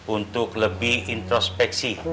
untuk lebih introspeksi